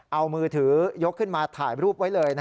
เอามือถือยกขึ้นมาถ่ายรูปไว้เลย